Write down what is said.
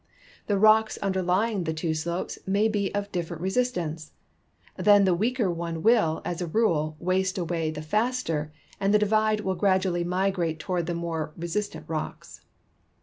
The rocks underlying the two slo]3es ma}^ be of different resistance ; then the weaker one will, as a rule, waste away the faster, and the divide will gradually migrate toward the more resistant rocks.